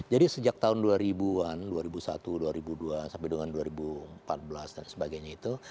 jadi sejak tahun dua ribu an dua ribu satu dua ribu dua sampai dengan dua ribu empat belas dan sebagainya itu